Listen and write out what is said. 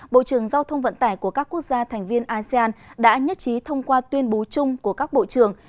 bộ trưởng giao thông vận tải của các quốc gia thành viên asean đã nhất trí thông qua tuyên bố chung của các bộ trưởng